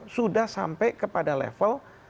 sudah sampai ke level